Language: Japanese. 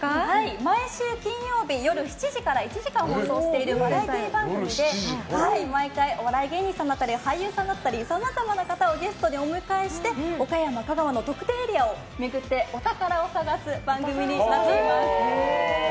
毎週金曜日夜７時から１時間放送しているバラエティー番組で毎回、お笑い芸人さんだったり俳優さんだったりさまざまな方をゲストでお迎えして岡山、香川の特定エリアを巡ってお宝を探す番組になっています。